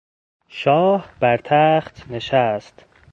شاه برتخت نشست.